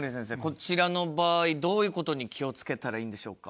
こちらの場合どういうことに気を付けたらいいんでしょうか？